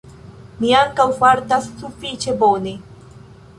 Mi ankaŭ fartas sufiĉe bone